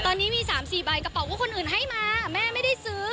ตอนนี้มี๓๔ใบกระเป๋าว่าคนอื่นให้มาแม่ไม่ได้ซื้อ